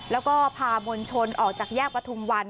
แล้วก็พามวลชนออกจากแยกประทุมวัน